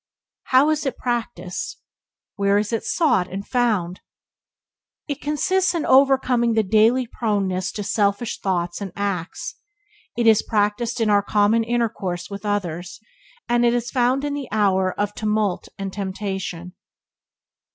How is it practiced? Where is it sought and found? It consists in overcoming the daily proneness to selfish thoughts and acts; it is practiced in our common intercourse with others; and it is found in the hour of tumult and temptation.